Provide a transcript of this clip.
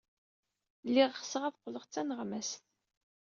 Lliɣ ɣseɣ ad qqleɣ d taneɣmast.